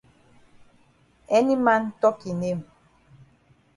Any man tok e name.